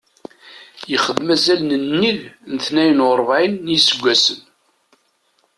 Yexdem azal n nnig n tnayen u rebɛin n yiseggasen.